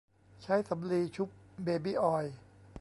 ใช้สำลีชุบเบบี้ออยล์